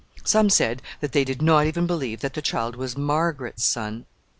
Some said that they did not even believe that the child was Margaret's son.